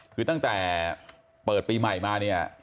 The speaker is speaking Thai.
คือตั้งแต่เปิดปีใหม่มาเนี่ย